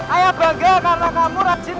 ayah bangga karena kamu rajin